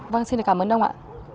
vâng xin cảm ơn ông ạ